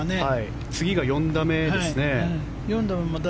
次が４打目ですね。